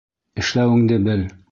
Эшләүеңде бел!